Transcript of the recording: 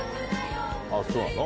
あっそうなの。